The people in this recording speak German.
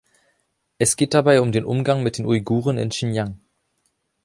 Es geht dabei um den Umgang mit den Uiguren in Xinjiang.